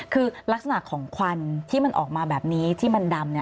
คือลักษณะของควันที่มันออกมาแบบนี้ที่มันดำ